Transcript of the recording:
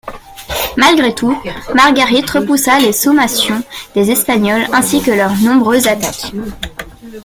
Malgré tout, Margarit repoussa les sommations des Espagnols ainsi que leurs nombreuses attaques.